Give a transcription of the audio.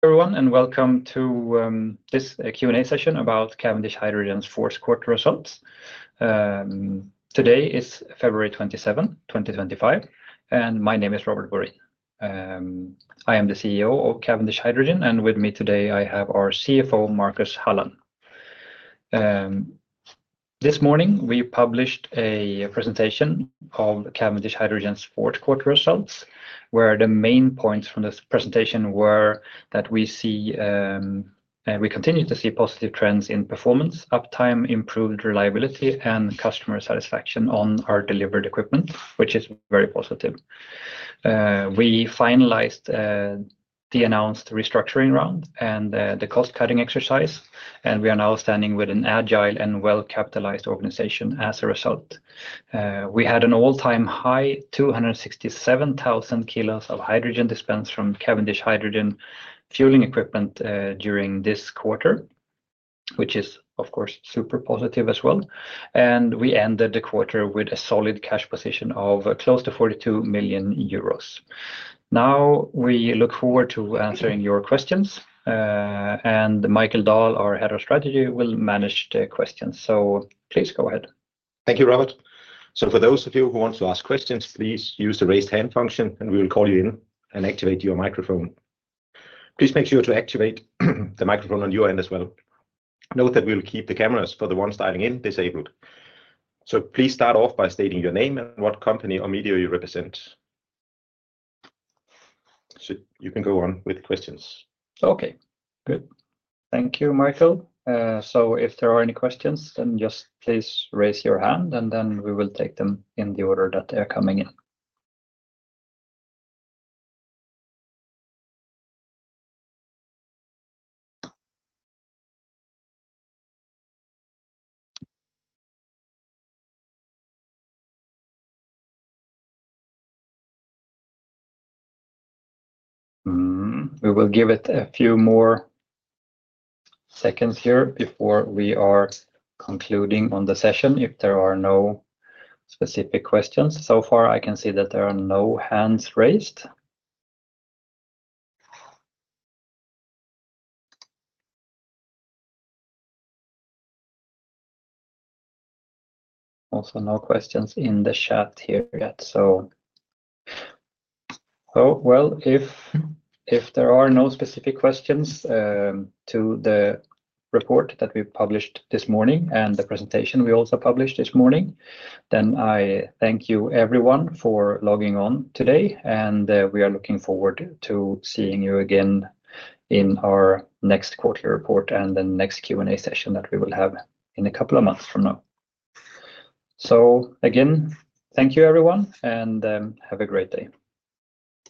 Everyone, and welcome to this Q&A session about Cavendish Hydrogen's fourth quarter results. Today is February 27, 2025, and my name is Robert Borin. I am the CEO of Cavendish Hydrogen, and with me today I have our CFO, Marcus Halland. This morning we published a presentation of Cavendish Hydrogen's fourth quarter results, where the main points from this presentation were that we continue to see positive trends in performance, uptime, improved reliability, and customer satisfaction on our delivered equipment, which is very positive. We finalized the announced restructuring round and the cost-cutting exercise, and we are now standing with an agile and well-capitalized organization as a result. We had an all-time high, 267,000 kilos of hydrogen dispensed from Cavendish Hydrogen fueling equipment during this quarter, which is, of course, super positive as well. We ended the quarter with a solid cash position of close to 42 million euros. Now we look forward to answering your questions, and Michael Dahl, our Head of Strategy, will manage the questions. Please go ahead. Thank you, Robert. For those of you who want to ask questions, please use the raised hand function, and we will call you in and activate your microphone. Please make sure to activate the microphone on your end as well. Note that we'll keep the cameras for the ones dialing in disabled. Please start off by stating your name and what company or media you represent. You can go on with questions. Okay, good. Thank you, Michael. If there are any questions, then just please raise your hand, and we will take them in the order that they're coming in. We will give it a few more seconds here before we are concluding on the session if there are no specific questions. So far, I can see that there are no hands raised. Also, no questions in the chat here yet. If there are no specific questions to the report that we published this morning and the presentation we also published this morning, then I thank you everyone for logging on today, and we are looking forward to seeing you again in our next quarter report and the next Q&A session that we will have in a couple of months from now. Again, thank you everyone, and have a great day.